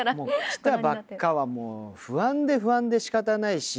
来たばっかはもう不安で不安でしかたないし。